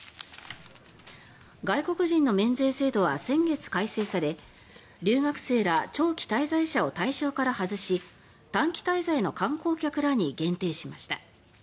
外国人の免税制度は先月改正され留学生ら長期滞在者を対象から外し短期滞在の観光客らに限定しました。